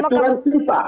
aturannya aturan fifa